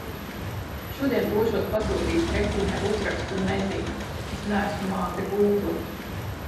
Šodien došos pasūtīt krekliņu ar uzrakstu: Nezinu. Es neesmu māte Gūgle.